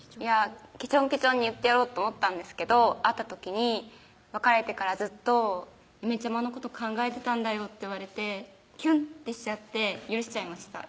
けちょんけちょんに言ってやろうと思ったんですけど会った時に「別れてからずっと嫁ちゃまのこと考えてたんだよ」って言われてキュンってしちゃって許しちゃいました